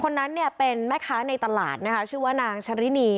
นั้นเนี่ยเป็นแม่ค้าในตลาดนะคะชื่อว่านางชรินี